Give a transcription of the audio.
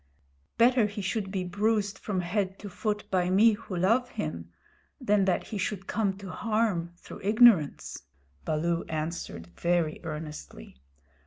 "Better he should be bruised from head to foot by me who love him than that he should come to harm through ignorance," Baloo answered very earnestly.